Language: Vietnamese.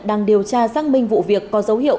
đang điều tra xác minh vụ việc có dấu hiệu